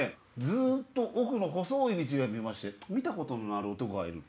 ずっと奥の細い道が見えまして見たことのある男がいる。